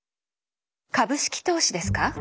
株式投資ですか？